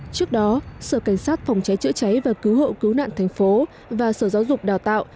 trước đó sở cảnh sát phòng cháy chữa cháy và cứu hộ cứu nạn thành phố và sở giáo dục đào tạo